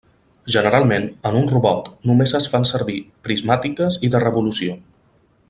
Generalment, en un robot, només es fan servir prismàtiques i de revolució.